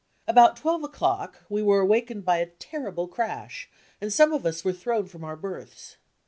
About twelve o'clock we were awakened by a terrible crash, and some of us were thrown from our berths.